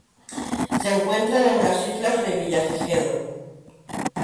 Se encuentran en las Islas Revillagigedo.